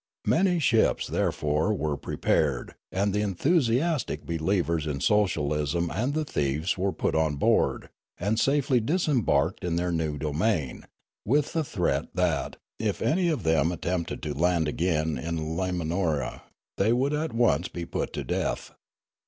Many ships, therefore, were prepared, and the enthusi astic believers in socialism and the thieves were put on board, and safely disembarked in their new domain, with the threat that, if any of them attempted to land 4o8 Riallaro again in Limanora, they would be at once put to death.